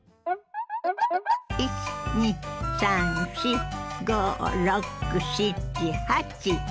１２３４５６７８。